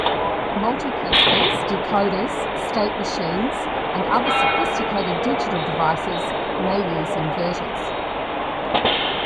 Multiplexers, decoders, state machines, and other sophisticated digital devices may use inverters.